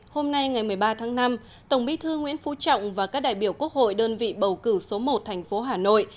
hôm nay ngày một mươi ba tháng năm tổng bí thư nguyễn phú trọng và các đại biểu quốc hội đơn vị bầu cử số một thành phố hà nội